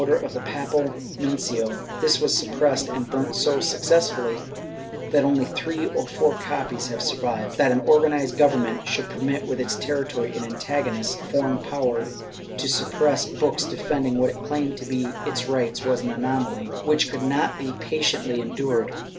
Chap IV] INDEPENDE2WE OF ROME 635 of the papal nuncio, this was suppressed and burnt so successfully that only three or four copies have survived/ That an organ ized government should permit within its territory an antagonistic foreign power to suppress books defending what it claimed to be its rights was an anomaly which could not be patiently endured.